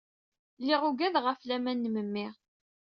Lliɣ ugadeɣ ɣef laman n memmi.